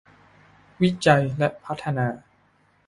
วิจัยและพัฒนา